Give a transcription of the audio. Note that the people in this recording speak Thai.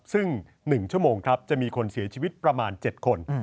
ซึ่ง๑ชั่วโมงครับจะมีคนเสียชีวิตประมาณ๗คน